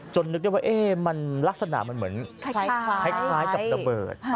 นึกได้ว่ามันลักษณะมันเหมือนคล้ายกับระเบิด